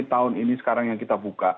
tahun ini sekarang yang kita buka